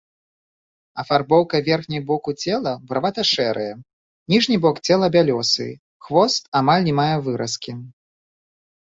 Афарбоўка верхняй боку цела буравата-шэрая, ніжні бок цела бялёсы, хвост амаль не мае выразкі.